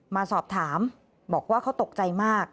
มาสอบถามบอกว่าเขาตกใจมาก